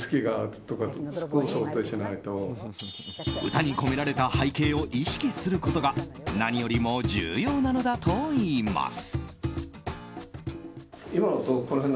歌に込められた背景を意識することが何よりも重要なのだといいます。